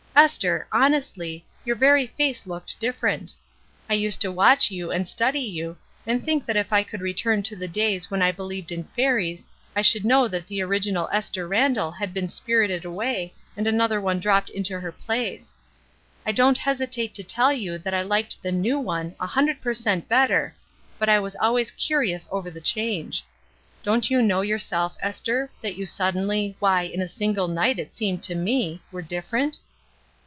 Esther, honestly, your very face looked different. I used to watch you and study you, and think that if I could return to the days when I believed in fairies I should know that the original Esther Randall had been spirited away and another one dropped into her place. I don't hesitate to tell you that I liked the new one a hundred per cent better, but I was al ways curious over the change. Don't you know yourself, Esther, that you suddenly, why, in a single night it seemed to me, were different?"